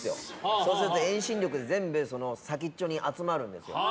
そうすると遠心力で全部先っちょに集まるんですよ。